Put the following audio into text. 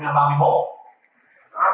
thì từ đường trang